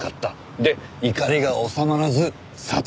で怒りが収まらず殺害！